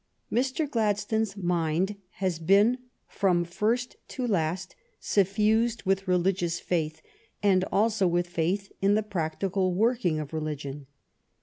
Mr. Gladstone's mind has been from first to last suffused with religious faith, and also with faith in the practical working of religion.